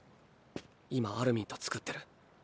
今アルミンと作ってる。